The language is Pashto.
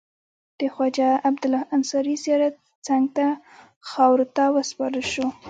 د خواجه عبدالله انصاري زیارت څنګ ته خاورو ته وسپارل شو.